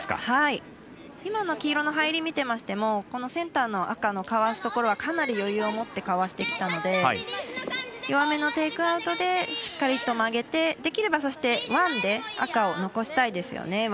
今の黄色の入りを見てましてもこのセンターの赤のかわすところはかなり余裕を持ってかわしてきたので弱めのテイクアウトでしっかりと曲げてできれば、そしてワンで赤を残したいですよね。